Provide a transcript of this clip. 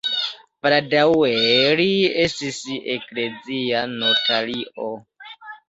Baldaŭe li estis eklezia notario.